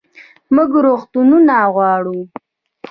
موږ روغتونونه غواړو